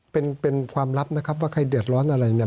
เป็นเป็นความลับนะครับว่าใครเดือดร้อนอะไรเนี่ย